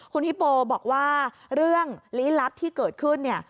คุณฮิปโปบอกว่าเรื่องลี้ลับที่เกิดขึ้นเนี่ย